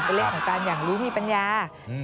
เป็นเลขของการอย่างรู้มีปัญญา